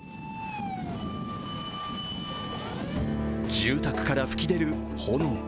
住宅から噴き出る炎。